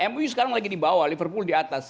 mui sekarang lagi di bawah liverpool di atas